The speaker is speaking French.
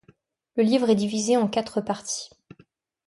Le livre est divisé en quatre parties.